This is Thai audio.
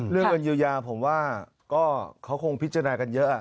เรื่องเงินเยียวยาผมว่าก็เขาคงพิจารณากันเยอะ